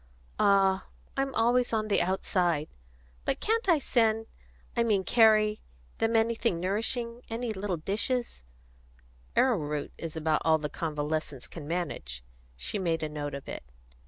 "Ah, I'm always on the outside! But can't I send I mean carry them anything nourishing, any little dishes " "Arrowroot is about all the convalescents can manage." She made a note of it.